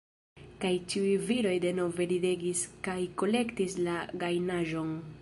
Kaj ĉiuj viroj denove ridegis kaj kolektis la gajnaĵon.